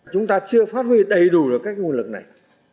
chúng ta chưa phát huy đầy đủ được các nguồn lực này